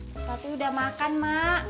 tapi udah makan mak